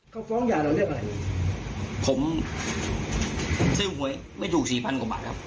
เขาฟ้องยาเราเรียกอะไรผมผมซื้อหวยไม่ถูกสี่พันกว่าบาทครับ